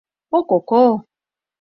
О-ко-ко...